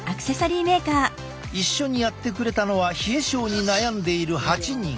一緒にやってくれたのは冷え症に悩んでいる８人。